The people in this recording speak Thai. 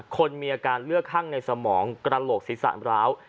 คนมีอาการเลือดข้างในสมองกระโหลกศีรษะร้าว